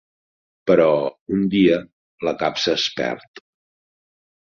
Però, un dia, la capsa es perd.